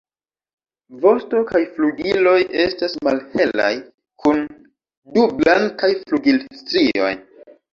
Vosto kaj flugiloj estas malhelaj kun du blankaj flugilstrioj.